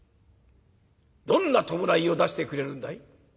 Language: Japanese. どんな葬式を出してくれるんだい？」。